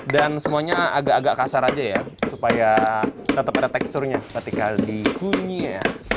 dan semuanya agak agak kasar aja ya supaya tetap ada teksturnya ketika dikunyi ya